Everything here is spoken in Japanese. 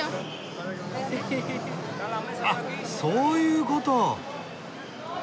あっそういうこと！